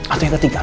atau yang ketiga